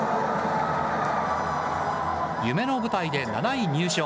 夢の舞台で７位入賞。